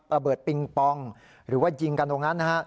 ปิงปองหรือว่ายิงกันตรงนั้นนะฮะ